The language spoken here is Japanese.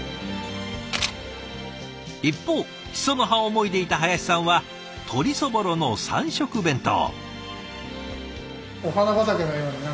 一方シソの葉をもいでいた林さんは鶏そぼろの三色弁当。